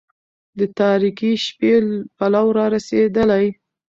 د تاريكي شپې پلو را رسېدلى